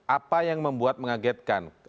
apa yang membuat mengagetkan